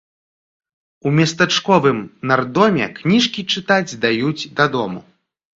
У местачковым нардоме кніжкі чытаць даюць дадому.